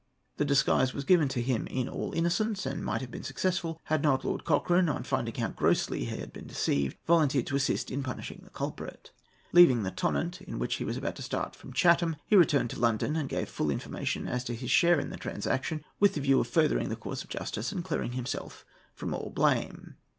The disguise was given to him in all innocence, and might have been successful, had not Lord Cochrane, on finding how grossly he had been deceived, volunteered to assist in punishing the culprit. Leaving the Tonnant, in which he was about to start from Chatham, he returned to London, and gave full information as to his share in the transaction, with the view of furthering the cause of justice and clearing himself from all blame.